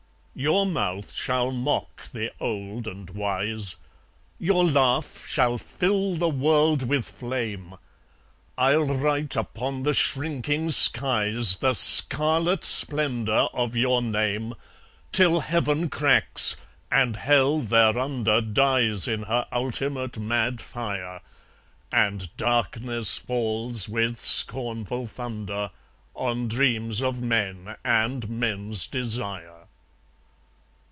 Your mouth shall mock the old and wise, Your laugh shall fill the world with flame, I'll write upon the shrinking skies The scarlet splendour of your name, Till Heaven cracks, and Hell thereunder Dies in her ultimate mad fire, And darkness falls, with scornful thunder, On dreams of men and men's desire.